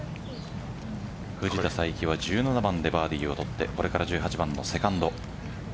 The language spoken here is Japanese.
藤田さいきは１７番でバーディーを取ってこれから１８番のセカンド。